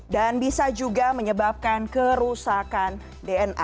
dan bisa juga menyebabkan kerusakan dna